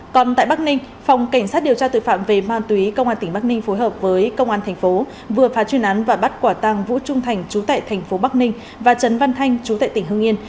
còn tại bắc ninh phòng cảnh sát điều tra tội phạm về ma túy công an tỉnh bắc ninh phối hợp với công an thành phố vừa phá chuyên án và bắt quả tăng vũ trung thành chú tại thành phố bắc ninh và trấn văn thanh chú tại tỉnh hương yên